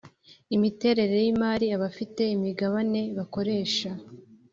imiterere y imari abafite imigabane bakoresha